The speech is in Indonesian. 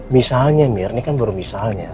misalnya mir ini kan baru misalnya